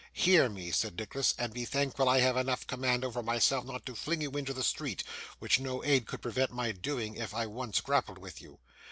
'Hear me,' said Nicholas, 'and be thankful I have enough command over myself not to fling you into the street, which no aid could prevent my doing if I once grappled with you.